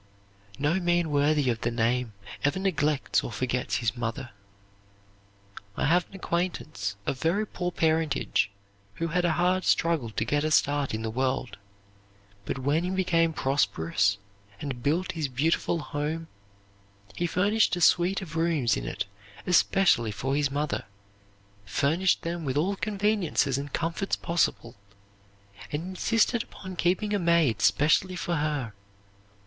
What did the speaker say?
'" No man worthy of the name ever neglects or forgets his mother. I have an acquaintance, of very poor parentage, who had a hard struggle to get a start in the world; but when he became prosperous and built his beautiful home, he finished a suite of rooms in it especially for his mother, furnished them with all conveniences and comforts possible, and insisted upon keeping a maid specially for her.